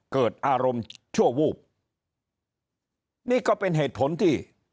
เกิดอารมณ์ชั่ววูบนี่ก็เป็นเหตุผลที่